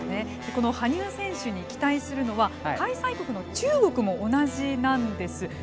羽生選手に期待するのは開催国の中国も同じなんです。